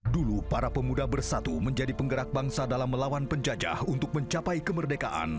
dulu para pemuda bersatu menjadi penggerak bangsa dalam melawan penjajah untuk mencapai kemerdekaan